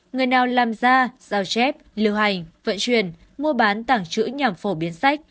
người nào làm ra giao chép lưu hành vận chuyển mua bán tảng chữ nhằm phổ biến sách